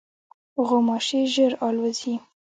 غوماشې ژر الوزي.